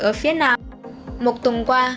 ở phía nam một tuần qua